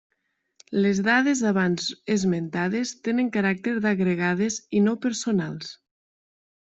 Les dades abans esmentades tenen caràcter d'agregades i no personals.